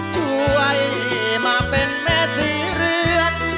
ช่วยมาเป็นแม่ศรีเรือน